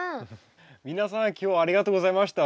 皆さん今日はありがとうございました。